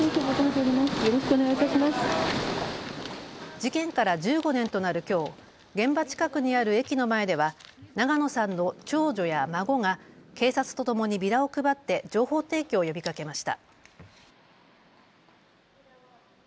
事件から１５年となるきょう、現場近くにある駅の前では永野さんの長女や孫が警察とともにビラを配って情報提供を呼びかけました。